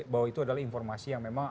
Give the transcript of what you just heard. bahwa itu adalah informasi yang memang